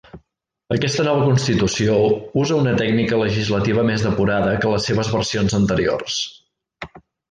Aquesta nova Constitució usa una tècnica legislativa més depurada que les seves versions anteriors.